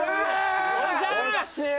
惜しい！